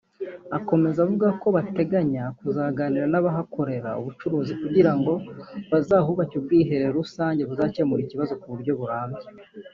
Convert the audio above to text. Akomeza avuga ko bateganya kuzaganira n’abahakorera ubucuruzi kugira ngo bazahubake ubwiherero rusange buzakemura ikibazo kuburyo burambye